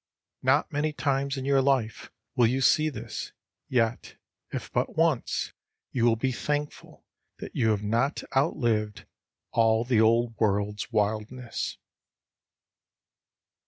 Not many times in your life will you see this, yet, if but once, you will be thankful that you have not outlived all the old world's wildness.